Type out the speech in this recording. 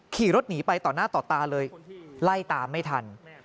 ขี่รถหนีไปต่อหน้าต่อตาเลยไล่ตามไม่ทัน